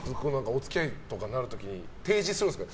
お付き合いとかになる時に提示するんですか？